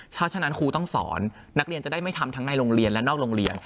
เพราะฉะนั้นครูต้องสอนนักเรียนจะได้ไม่ทำทั้งในโรงเรียนและนอกโรงเรียน